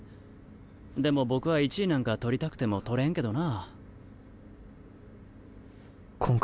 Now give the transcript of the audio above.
でも僕は１位なんか取りたくても取れんけどな。